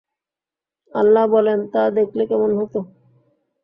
আল্লাহ বলেন, তা দেখলে কেমন হতো?